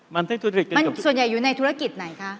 มันส่วนใหญ่อยู่ในธุรกิจไหนคะ